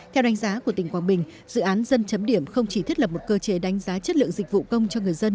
theo đánh giá của tỉnh quảng bình dự án dân chấm điểm không chỉ thiết lập một cơ chế đánh giá chất lượng dịch vụ công cho người dân